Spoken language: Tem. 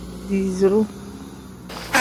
Diiziru.